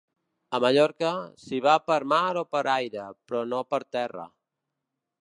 A Mallorca, s'hi va per mar o per aire, però no per terra.